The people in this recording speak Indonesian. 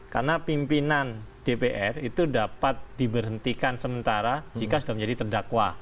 karena pimpinan dpr itu dapat diberhentikan sementara jika sudah menjadi terdakwa